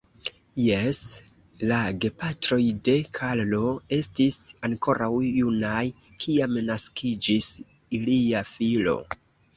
Jes, la gepatroj de Karlo, estis ankoraŭ junaj, kiam naskiĝis ilia filo.